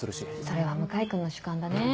それは向井君の主観だね。